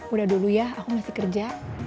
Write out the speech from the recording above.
udah dulu ya aku masih kerja